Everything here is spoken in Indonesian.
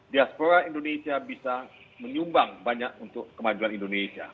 diaspora indonesia bisa menyumbang banyak untuk kemajuan indonesia